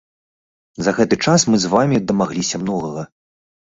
За гэты час мы з вамі дамагліся многага.